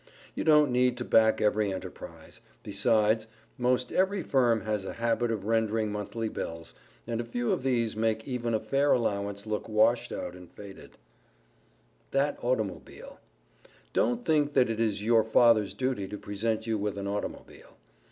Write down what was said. You don't need to back every enterprise; besides, most every firm has a habit of rendering monthly bills, and a few of these make even a fair allowance look washed out and faded. [Sidenote: THAT AUTOMOBILE] Don't think that it is your Father's duty to present you with an automobile.